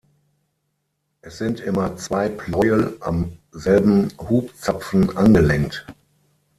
Es sind immer zwei Pleuel am selben Hubzapfen angelenkt.